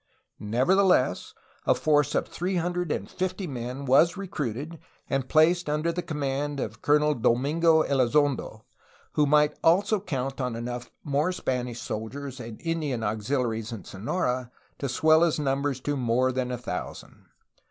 Nevertheless a force of three hundred and fifty men was recruited and placed under the conmiand of Colonel Domingo Elizondo, who might also count on enough more Spanish soldiers and Indian auxiliaries in Sonora to swell his numbers to more than a thousand.